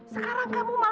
sekarang kamu malah